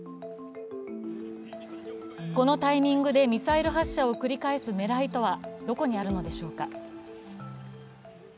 このタイミングでミサイル発射を繰り返す狙いとはどこにあるのでしょうか。